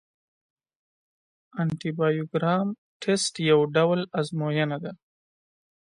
انټي بایوګرام ټسټ یو ډول ازموینه ده.